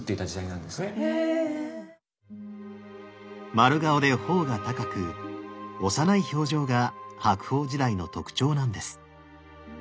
丸顔で頬が高く幼い表情が白鳳時代の特徴なんです。